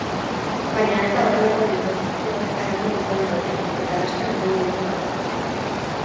Baina ez da horrelako negozioetarako gizon egokia, eta laster izango ditu arazoak.